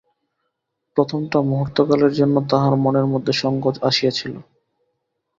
প্রথমটা মুহূর্তকালের জন্য তাহার মনের মধ্যে সংকোচ আসিয়াছিল।